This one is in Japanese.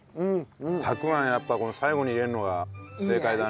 たくあんやっぱ最後に入れるのが正解だね。